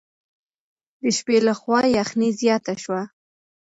د شپې له خوا یخني زیاته شوه.